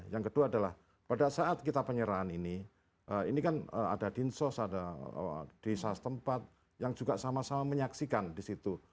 yang kedua adalah pada saat kita penyerahan ini ini kan ada din sos ada di sas tempat yang juga sama sama menyaksikan di situ